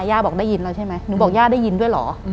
ย่าบอกได้ยินแล้วใช่ไหมหนูบอกย่าได้ยินด้วยเหรอ